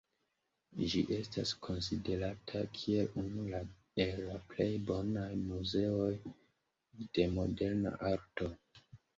Ĝi estas konsiderata kiel unu el la plej bonaj muzeoj de moderna arto.